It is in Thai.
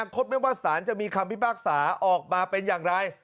คดไม่ว่าสารจะมีคำพิพากษาออกมาเป็นอย่างไร